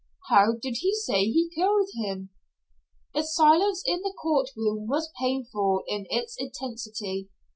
"How did he say he killed him?" The silence in the court room was painful in its intensity.